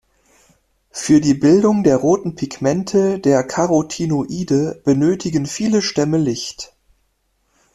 Für die Bildung der roten Pigmente, der Carotinoide, benötigen viele Stämme Licht.